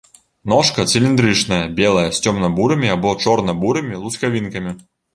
Ножка цыліндрычная, белая з цёмна-бурымі або чорна-бурымі лускавінкамі.